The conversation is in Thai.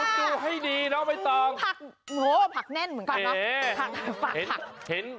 ณดูให้ดีน้องแบตอง